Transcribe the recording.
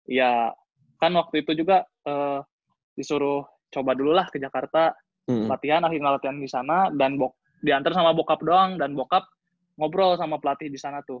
ya kan waktu itu juga disuruh coba dulu lah ke jakarta latihan akhirnya latihan di sana dan diantar sama bokap doang dan bokap ngobrol sama pelatih di sana tuh